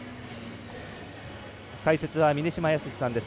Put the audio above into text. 解説は峰島靖さんです。